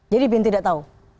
jadi bin tidak tahu